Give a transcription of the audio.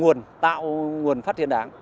đưa vào nguồn tạo nguồn phát triển đảng